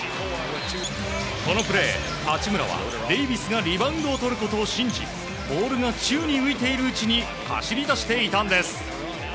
このプレー、八村はデイビスがリバウンドをとることを信じボールが宙に浮いているうちに走り出していたんです。